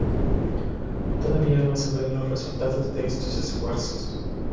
Todavía no se ven los resultados de estos esfuerzos.